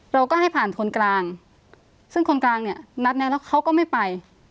เราก็ให้ผ่านคนกลางซึ่งคนกลางเนี่ยนัดแล้วแล้วเขาก็ไม่ไป